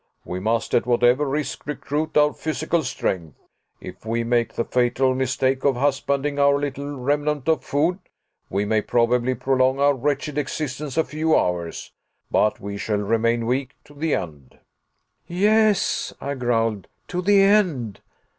We must at whatever risk recruit our physical strength. If we make the fatal mistake of husbanding our little remnant of food, we may probably prolong our wretched existence a few hours but we shall remain weak to the end." "Yes," I growled, "to the end.